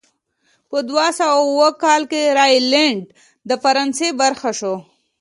په دوه سوه اووه کال کې راینلنډ د فرانسې برخه شوه.